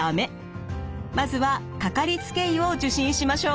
まずはかかりつけ医を受診しましょう。